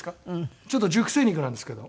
ちょっと熟成肉なんですけどアメリカの。